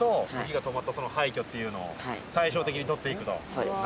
そうです。